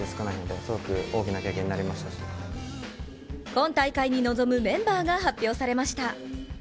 今大会に臨むメンバーが発表されました。